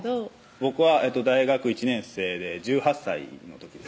僕は大学１年生で１８歳の時です